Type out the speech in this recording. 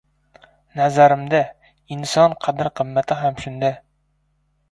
nazarimda, inson qadr-qimmati ham shunda.